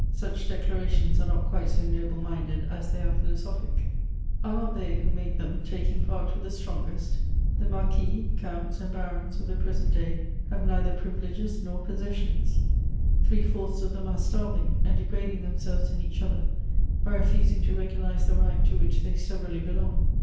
Such declarations are not quite so noble minded as they are philo sophic. Are not they who make them taking part with the strongest? The Marquis, Counts and Barons of the pres^it day have neither privileges nor possessions ; three fourths of them are starving, and degrading themselves and each other by refusing to recognise the rank to which they severally belong.